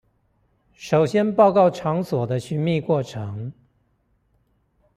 首先報告場所的尋覓過程